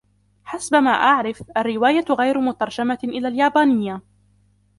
حسب ما أعرف ، الرواية غير مترجمة إلى اليابانية.